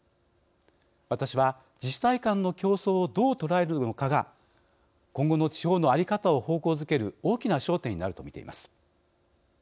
私は、自治体間の競争をどう捉えるのかが今後の地方の在り方を方向づける大きな焦点になると見ています。